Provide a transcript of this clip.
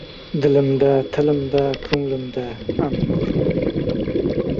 Dilimda, tilimda, ko‘nglimda – “An-Nur”.